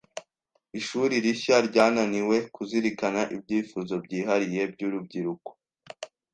Ishuri rishya ryananiwe kuzirikana ibyifuzo byihariye byurubyiruko.